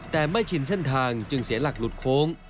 แต่ไม่ชินเส้นทางจึงเสียหลักหลุดโค้ง